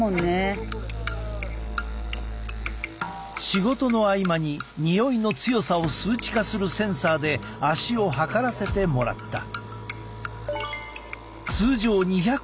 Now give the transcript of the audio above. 仕事の合間ににおいの強さを数値化するセンサーで足を測らせてもらった。